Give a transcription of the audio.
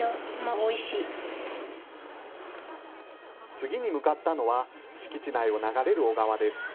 次に向かったのは、敷地内を流れる小川です。